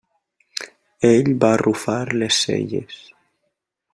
Ell va arrufar les celles.